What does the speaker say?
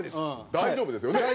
大丈夫ですよ。